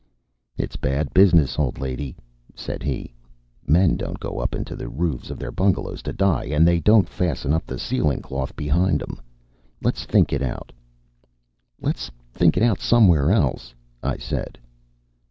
"It's bad business, old lady," said he. "Men don't go up into the roofs of their bungalows to die, and they don't fasten up the ceiling cloth behind 'em. Let's think it out." "Let's think it out somewhere else," I said.